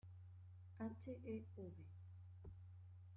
H. E. v.